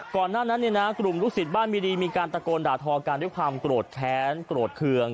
ก่อนหน้านั้นเนี่ยนะกลุ่มลูกศิษย์บ้านมีดีมีการตะโกนด่าทอกันด้วยความโกรธแค้นโกรธเคือง